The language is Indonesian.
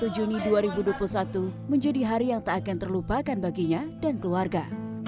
satu juni dua ribu dua puluh satu menjadi hari yang tak akan terlupakan baginya dan keluarga